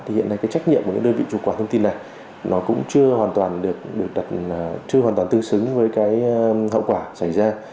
thì hiện nay trách nhiệm của đơn vị thu thập và quản lý thông tin này cũng chưa hoàn toàn tương xứng với hậu quả xảy ra